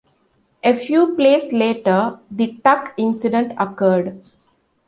A few plays later, the "tuck" incident occurred.